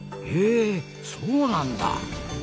へえそうなんだ。